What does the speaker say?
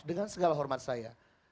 dengan segala hormat saya